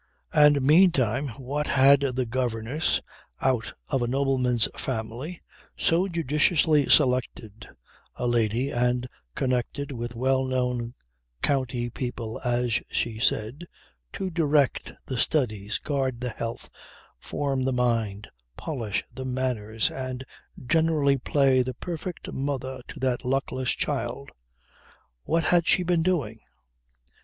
And meantime what had the governess (out of a nobleman's family) so judiciously selected (a lady, and connected with well known county people as she said) to direct the studies, guard the health, form the mind, polish the manners, and generally play the perfect mother to that luckless child what had she been doing?